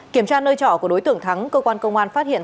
kiểm tra nơi trỏ của đối tượng thắng cơ quan công an phát hiện